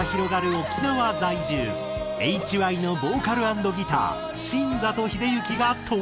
沖縄在住ＨＹのボーカル＆ギター新里英之が登場。